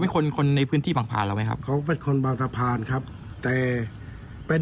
เป็นคนคนในพื้นที่บางสะพานเขาเป็นคูณก่อหน้าที่เป็น